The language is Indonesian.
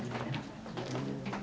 c selamat tinggal